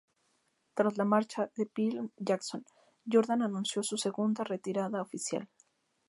Tras la marcha de Phil Jackson, Jordan anunció su segunda retirada oficial.